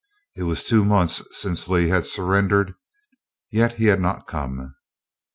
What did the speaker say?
It was two months since Lee had surrendered yet he had not come.